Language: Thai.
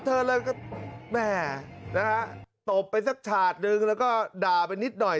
เธอเลยก็แม่นะฮะตบไปสักฉาดหนึ่งแล้วก็ด่าไปนิดหน่อย